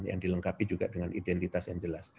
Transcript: yang dilengkapi juga dengan identitas yang jelas